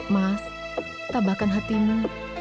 mas tabahkan hatimu